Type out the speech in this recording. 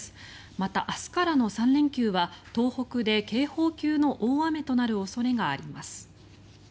また、明日からの３連休は東北で警報級の大雨となる恐れがあります。